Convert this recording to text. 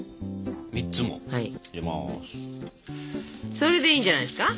それでいいんじゃないですか？